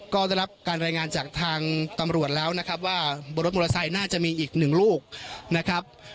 ก็ได้รับการรายงานจากทางตำรวจแล้วนะครับว่าบนรถมอเตอร์ไซค์น่าจะมีอีกหนึ่งลูกนะครับ